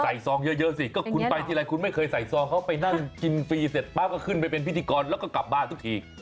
ซองเยอะสิก็คุณไปทีไรคุณไม่เคยใส่ซองเขาไปนั่งกินฟรีเสร็จปั๊บก็ขึ้นไปเป็นพิธีกรแล้วก็กลับบ้านทุกที